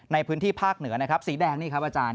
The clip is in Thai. ในพื้นที่ภาคเหนือนะครับสีแดงนี่ครับอาจารย์